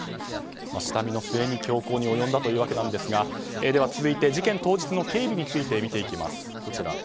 下見の末に凶行に及んだということですが事件当日の警備について見ていきます。